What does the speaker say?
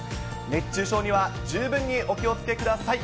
熱中症には十分にお気をつけください。